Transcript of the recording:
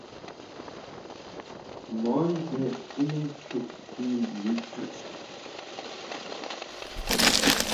Mɔ̌ nzɛ nɛ cúʼ kɛ́ndǐ cʉʉ.